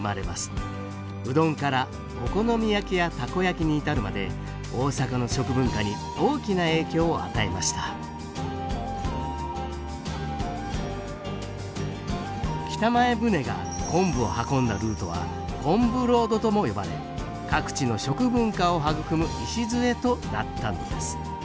うどんからお好み焼きやたこ焼きに至るまで大阪の食文化に大きな影響を与えました北前船が昆布を運んだルートは昆布ロードとも呼ばれ各地の食文化を育む礎となったのです